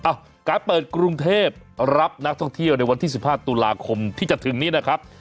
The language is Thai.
การเปิดกรุงเทพรับนักท่องเที่ยวในวันที่๑๕ตุลาคมที่จะถึงนี้นะครับ